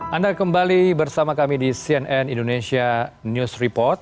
anda kembali bersama kami di cnn indonesia news report